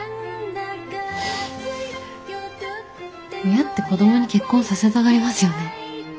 親って子どもに結婚させたがりますよね。